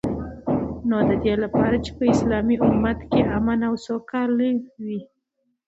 نو ددی لپاره چی په اسلامی امت کی امن او سوکالی وی